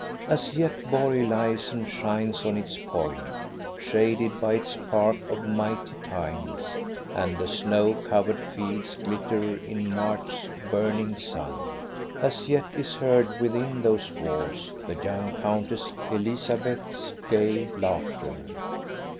As yet Borg lies and shines on its point, shaded by its park of nughty i>:nes, and the snow covered fields glitter in Ma ch's burning sun; as yet is heard within those walls the young Countess Elizabeth's gay laughter.